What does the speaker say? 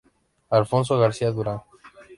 Alfonso García Durán.